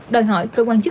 đòi hỏi cơ quan chức